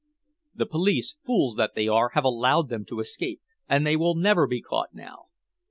"The police, fools that they are, have allowed them to escape, and they will never be caught now.